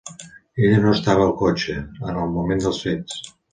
Ella no estava al cotxe en el moment dels fets.